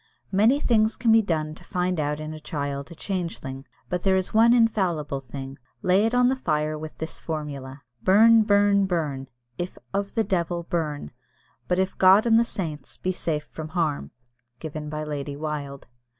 Many things can be done to find out in a child a changeling, but there is one infallible thing lay it on the fire with this formula, "Burn, burn, burn if of the devil, burn; but if of God and the saints, be safe from harm" (given by Lady Wilde).